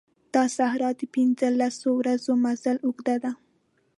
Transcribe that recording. دا صحرا د پنځه لسو ورځو مزل اوږده ده.